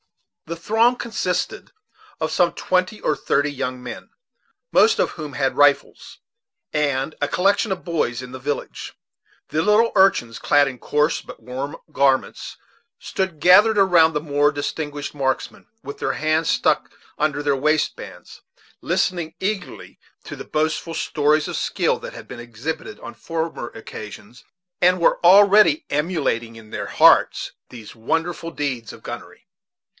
The throng consisted of some twenty or thirty young men, most of whom had rifles, and a collection of all the boys in the village. The little urchins, clad in coarse but warm garments, stood gathered around the more distinguished marksmen, with their hands stuck under their waistbands, listening eagerly to the boastful stories of skill that had been exhibited on former occasions, and were already emulating in their hearts these wonderful deeds in gunnery.